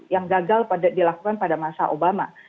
yang gagal dilakukan pada masa obama